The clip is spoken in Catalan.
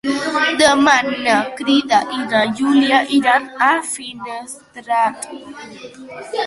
Demà na Cira i na Júlia iran a Finestrat.